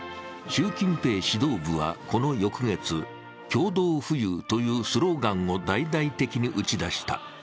習近平指導部はこの翌月、共同富裕というスローガンを大々的に打ち出した。